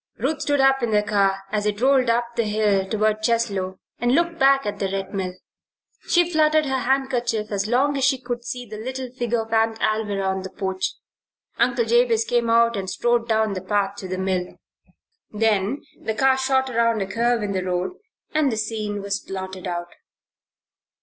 Ruth stood up in the car as it rolled up the hill toward Cheslow and looked back at the Red Mill. She fluttered her handkerchief as long as she could see the little figure of Aunt Alvirah on the porch. Uncle Jabez came out and strode down the path to the mill. Then the car shot around a curve in the road and the scene was blotted out.